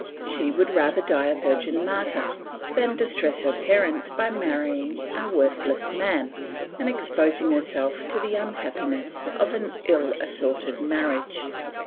She would rather die a virgin martyr than distress her parents by marrying a worthless man and exposing herself to the unhappiness of an ill assorted marriage.